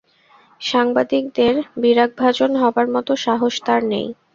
সাংবাদিকদের বিরাগভাজন হবার মতো সাহস তাঁর নেই।